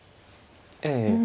ええ。